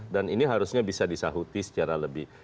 ini harusnya bisa disahuti secara lebih